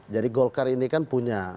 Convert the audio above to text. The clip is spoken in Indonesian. jadi golkar ini kan punya